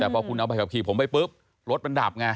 ไปกับขี่ผมไปปุ๊บรถมันดับไง